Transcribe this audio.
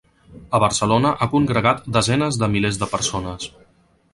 A Barcelona ha congregat desenes de milers de persones.